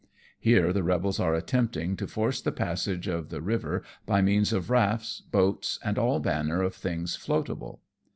Here the rebels are attempting to force the passage of the river by means of rafts, boats and all manner of things floatable.